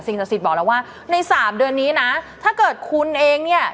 ศักดิ์สิทธิ์บอกแล้วว่าในสามเดือนนี้นะถ้าเกิดคุณเองเนี่ย